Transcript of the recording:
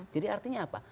jadi artinya apa